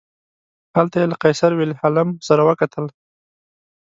هلته یې له قیصر ویلهلم سره وکتل.